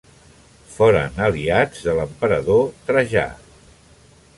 Foren aliats de l'emperador Trajà.